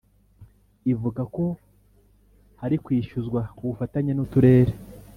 ivuga ko hari kwishyuzwa ku bufatanye n’uturere